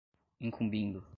incumbindo